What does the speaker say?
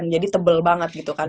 jadi tebel banget gitu kan